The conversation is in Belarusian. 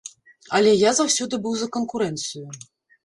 Але я заўсёды быў за канкурэнцыю.